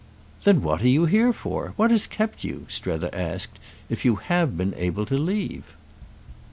"Then what are you here for? What has kept you," Strether asked, "if you have been able to leave?"